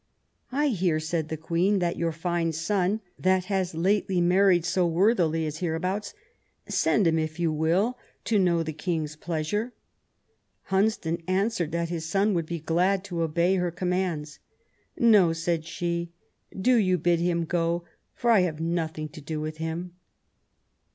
" I hear," said the Queen, that your fine son, that has lately married so worthily, is hereabouts. Send him if you will, to know the King's pleasure." Hunsdon answered that his son would be glad to obey her commands. No," said she, do you bid him go; for I have nothing to do with him."